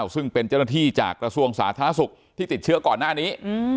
ซึ่งเป็นเจ้าหน้าที่จากกระทรวงสาธารณสุขที่ติดเชื้อก่อนหน้านี้